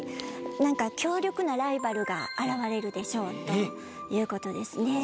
何か強力なライバルが現れるでしょうということですね。